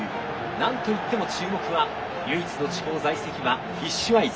何と言っても注目は唯一の地方在籍馬フィッシュアイズ。